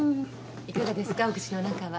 いかがですかお口の中は？